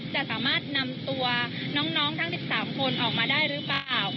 จะสามารถนำตัวน้องทั้ง๑๓คนออกมาได้หรือเปล่า